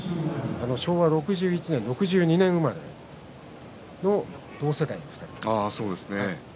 昭和６１年、６２年生まれの同世代の２人です。